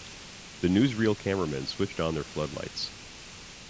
The newsreel cameramen switched on their floodlights.